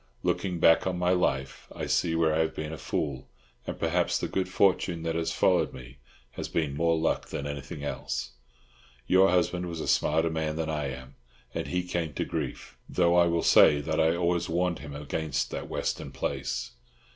Looking back on my life, I see where I have been a fool; and perhaps the good fortune that has followed me has been more luck than anything else. Your husband was a smarter man than I am, and he came to grief, though I will say that I always warned him against that Western place.